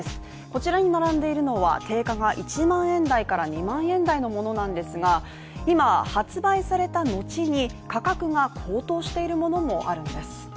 こちらに並んでいるのは定価が１万円台から２万円台のものなんですが、今発売された後に価格が高騰しているものもあるんです。